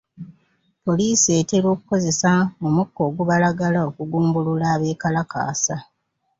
Poliisi etera okukozesa omukka ogubalagala okugumbulula abeekalakaasa.